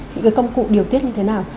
những cái công cụ điều tiết như thế nào